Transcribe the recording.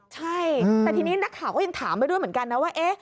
ใช่แต่ทีนี้นักข่าวก็ยังถามไปด้วยเหมือนกันนะว่า